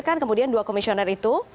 kan kemudian dua komisioner itu